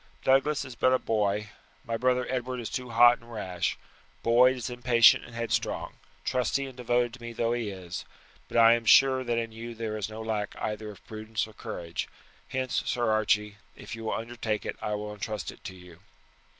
Douglas is but a boy; my brother Edward is too hot and rash; Boyd is impatient and headstrong, trusty and devoted to me though he is; but I am sure that in you there is no lack either of prudence or courage. Hence, Sir Archie, if you will undertake it I will intrust it to you."